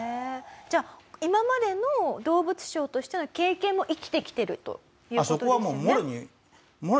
じゃあ今までの動物商としての経験も生きてきてるという事ですよね。